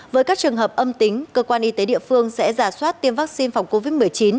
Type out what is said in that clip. với các trường hợp âm tính cơ quan y tế địa phương sẽ giả soát tiêm vaccine phòng covid một mươi chín